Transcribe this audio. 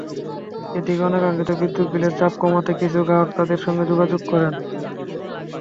এদিকে, অনাকাঙ্ক্ষিত বিদ্যুৎ বিলের চাপ কমাতে কিছু গ্রাহক তাঁদের সঙ্গে যোগাযোগ করেন।